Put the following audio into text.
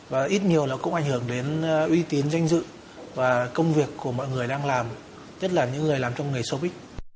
và ít nhiều là cũng ảnh hưởng đến uy tín danh dự và công việc của mọi người đang làm nhất là những người làm trong nghề soviet